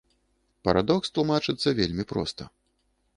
Парадокс тлумачыцца вельмі проста.